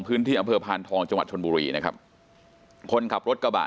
พื้นที่อำเภอพานทองจังหวัดชนบุรีนะครับคนขับรถกระบะ